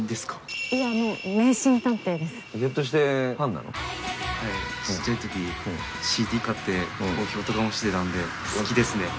ちっちゃいときＣＤ買って投票とかもしてたんで好きですね。